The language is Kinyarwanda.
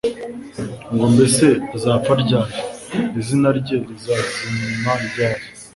ngo mbese azapfa ryari? izina rye rizazima ryari